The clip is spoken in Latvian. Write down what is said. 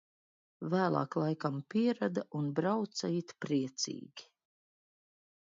Vēlāk laikam pierada un brauca it priecīgi.